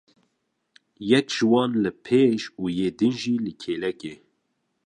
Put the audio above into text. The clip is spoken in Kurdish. Yek ji wan li pêş û yê din jî li kêlekê.